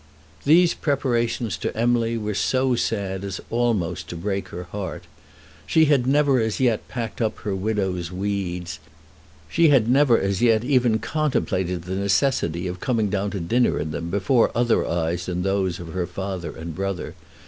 These preparations to Emily were so sad as almost to break her heart. She had never as yet packed up her widow's weeds. She had never as yet even contemplated the necessity of coming down to dinner in them before other eyes than those of her father and brother.